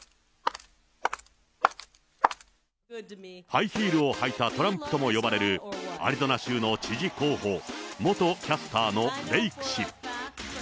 ハイヒールを履いたトランプとも呼ばれる、アリゾナ州の知事候補、元キャスターのレイク氏。